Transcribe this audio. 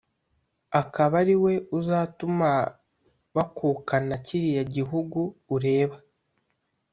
akaba ari we uzatuma bakukana kiriya gihugu ureba.»